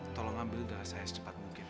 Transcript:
tolong ambil darah saya secepat mungkin